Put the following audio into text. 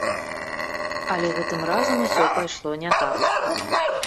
Але гэтым разам усё пайшло не так.